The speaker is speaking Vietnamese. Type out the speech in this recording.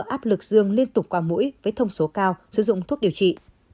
áp lực dương liên tục qua mũi với thông số cao sử dụng thuốc điều trị